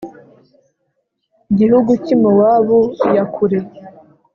Gihugu cy i mowabu iya kure